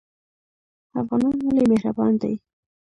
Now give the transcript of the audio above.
افغانان ولې مهربان دي؟